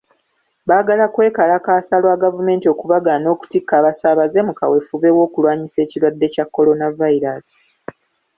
Baagala kwekalakaasa lwa gavumenti okubagaana okutikka abasaabaze mu kaweefube w'okulwanyisa ekirwadde kya Kolonavayiraasi.